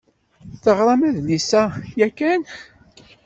Teɣṛam adlis-a yakan?